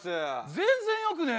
全然よくねえよ。